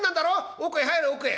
奥へ入れ奥へ。